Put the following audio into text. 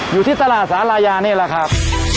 อยู่ที่ตลาดสาลายานี่แหละครับ